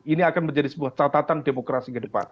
ini akan menjadi sebuah catatan demokrasi ke depan